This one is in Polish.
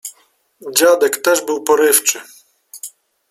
Dziadek też był porywczy.